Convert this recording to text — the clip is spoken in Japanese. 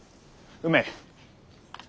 ・梅。